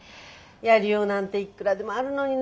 やりようなんていっくらでもあるのにね。